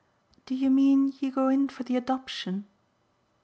"Do you mean you go in for the adoption